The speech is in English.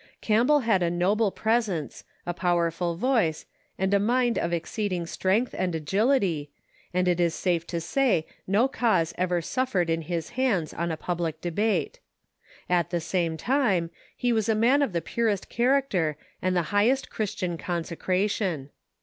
Campbell had a noble pres ence, a powerful voice, and a mind of exceeding strength and agility, and it is safe to say no cause ever sufiered in his hands on a public debate. At the same time, he was a man of the purest character and the highest Christian consecration.